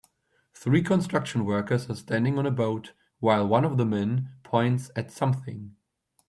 Three construction workers are standing on a boat while one of the men points at something.